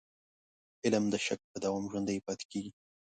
علم د شک په دوام ژوندی پاتې کېږي.